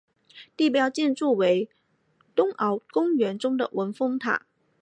地标建筑为东皋公园中的文峰塔。